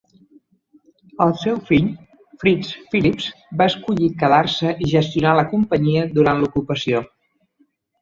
El seu fill Frits Philips va escollir quedar-se i gestionar la companyia durant l"ocupació.